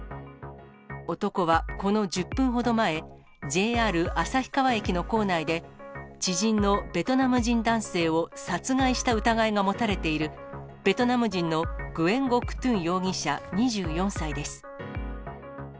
男はこの１０分ほど前、ＪＲ旭川駅の構内で、知人のベトナム人男性を殺害した疑いが持たれている、ベトナム人のグエン・ゴック・トゥン容疑者２４歳です。